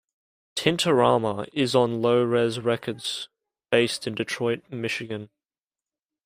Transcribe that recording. Tintorama, is on Low Res Records, based in Detroit, Michigan.